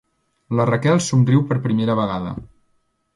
La Raquel somriu per primera vegada.